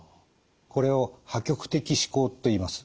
これを破局的思考といいます。